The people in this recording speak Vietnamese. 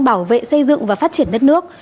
bảo vệ xây dựng và phát triển đất nước